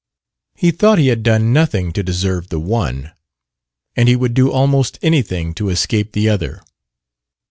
He thought he had done nothing to deserve the one, and he would do almost anything to escape the other.